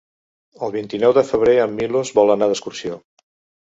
El vint-i-nou de febrer en Milos vol anar d'excursió.